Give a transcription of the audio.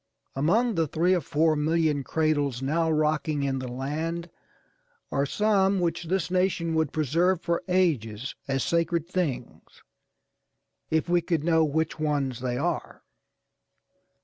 Among the three or four million cradles now rocking in the land are some which this nation would preserve for ages as sacred things, if we could know which ones they are.